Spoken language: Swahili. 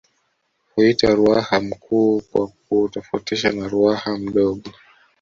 Huitwa Ruaha Mkuu kwa kuutofautisha na Ruaha Mdogo